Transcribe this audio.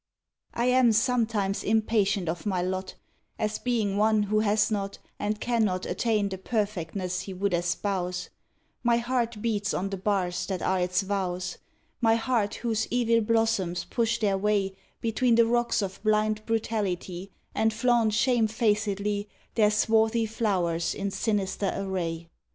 I am sometimes impatient of my lot As being one who has not and can not Attain the perfectness he would espouse; My heart beats on the bars that are its vows My heart whose evil blossoms push their way Between the rocks of blind brutality And flaunt shamefacedly Their swarthy flow'rs in sinister array.